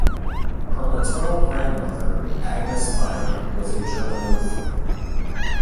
Her maternal grandmother, Agnes Meyer, was a German Lutheran.